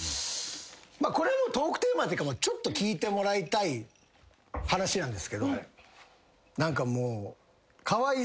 これトークテーマっていうかちょっと聞いてもらいたい話なんですけど。